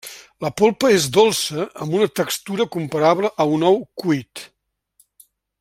La polpa és dolça amb una textura comparable a un ou cuit.